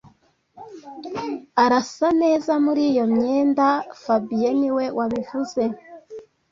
Arasa neza muri iyo myenda fabien niwe wabivuze